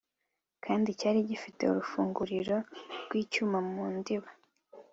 kandi cyari gifite urufunguriro rw'icyuma mu ndiba.